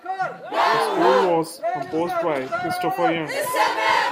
The score was composed by Christopher Young.